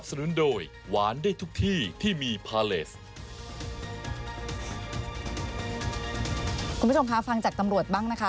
คุณผู้ชมคะฟังจากตำรวจบ้างนะคะ